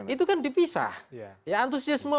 itu kan dipisah ya antusiasme